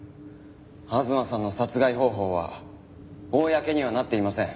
吾妻さんの殺害方法は公にはなっていません。